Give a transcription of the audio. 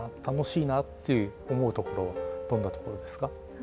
楽しいな」って思うところどんなところですか？